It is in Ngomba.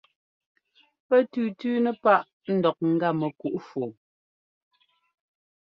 Pɛ́ tʉ́tʉ́nɛ́ páꞌ ńdɔk ŋ́gá mɛkuꞌ fɔɔ.